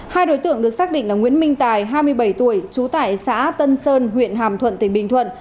hai đối tượng được xác định là nguyễn minh tài hai mươi bảy tuổi trú tại xã tân sơn huyện hàm thuận tỉnh bình thuận